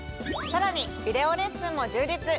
さらにビデオレッスンも充実。